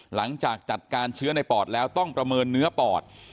หลังจากจัดการเชื้อในปอดแล้วต้องประเมินเนื้อปอด